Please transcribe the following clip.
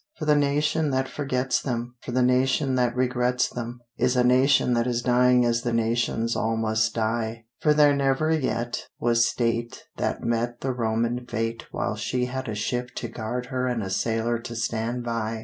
For the nation that forgets them, For the nation that regrets them, Is a nation that is dying as the nations all must die; For there never yet was state That met the Roman fate While she had a ship to guard her and a sailor to stand by.